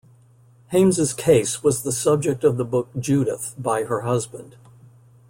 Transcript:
Haimes's case was the subject of the book "Judith" by her husband.